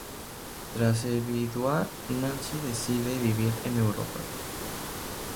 Tras enviudar Nancy decide vivir en Europa.